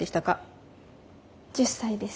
１０歳です。